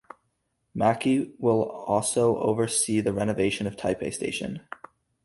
Maki will also oversee the renovation of Taipei Station.